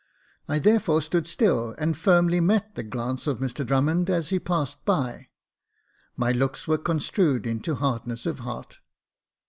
I therefore stood still, and firmly met the glance of Mr Drummond, as he passed me. My looks were construed into hardness of heart.